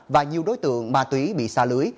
và nhiều đối tượng ma túy bị xa lưới